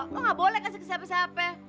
gue gak boleh kasih ke siapa siapa